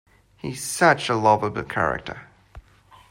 He's such a lovable character.